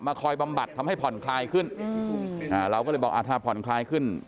คอยบำบัดทำให้ผ่อนคลายขึ้นอืมอ่าเราก็เลยบอกอ่าถ้าผ่อนคลายขึ้น